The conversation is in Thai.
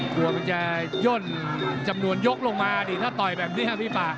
กลัวมันจะย่นจำนวนยกลงมาดิถ้าต่อยแบบนี้ครับพี่ป่า